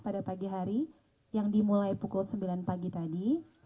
pada pagi hari yang dimulai pukul sembilan pagi tadi